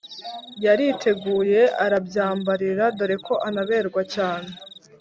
yariteguye arabyambarira dore ko anaberwa cyane